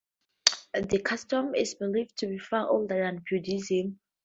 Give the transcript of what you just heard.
The custom is believed to be far older than Buddhism.